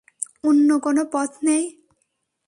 অন্য কোন পথ নেই?